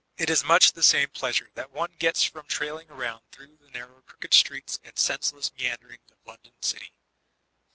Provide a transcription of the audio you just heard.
It is much the same pkasmv that one gets from trailing aromid through the narrow crooked steets and senseless meanderings of London Qty.